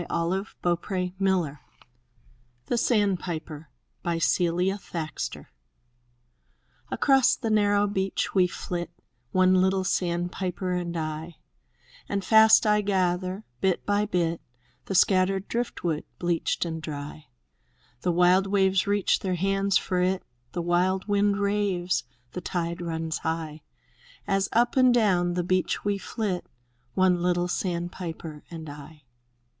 114. THE TREASURE CHEST THE SANDPIPER Celia Thaxter Across the narrow beach we flit, One little sandpiper and I; And fast I gather, bit by bit, The scattered driftwood, bleached and dry. The wild waves reach their hands for it. The wild wind raves, the tide runs high. As up and down the beach we flit, — One little sandpiper and I.